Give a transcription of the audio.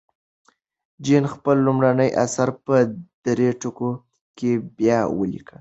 جین خپل لومړنی اثر په درې ټوکه کې بیا ولیکه.